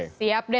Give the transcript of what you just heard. itu lebih keren